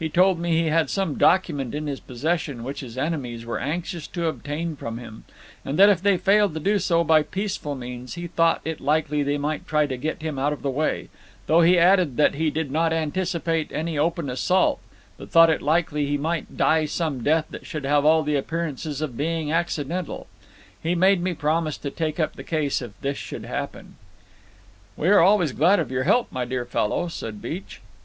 He told me he had some document in his possession which his enemies were anxious to obtain from him, and that if they failed to do so by peaceful methods he thought it likely they might try to get him out of the way; though he added that he did not anticipate any open assault, but thought it likely he might die some death that should have all the appearances of being accidental. He made me promise to take up the case if this should happen." "We are always glad of your help, my dear fellow," said Beech.